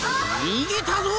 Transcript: にげたぞ！